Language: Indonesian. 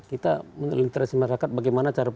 kita meneliterasi masyarakat bagaimana cara